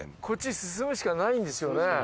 こっち進むしかないんですよね。